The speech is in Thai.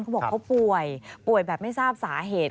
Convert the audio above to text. เขาบอกเขาป่วยป่วยแบบไม่ทราบสาเหตุ